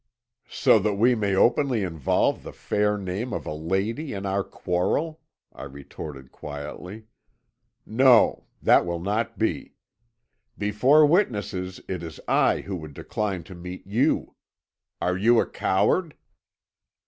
"'So that we may openly involve the fair name of a lady in our quarrel,' I retorted quietly. 'No; that will not be. Before witnesses it is I who would decline to meet you. Are you a coward?'